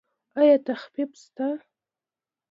ایا تخفیف شته؟